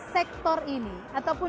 sektor ini ataupun